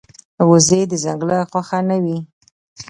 وزې د ځنګل خوښه نه وي